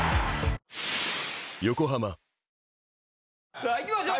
さあいきましょう。